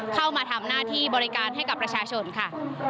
เข้ามาทำหน้าที่บริการให้กับประชาชนค่ะ